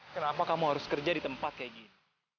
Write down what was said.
kenapa kamu harus kerja di tempat kayak gitu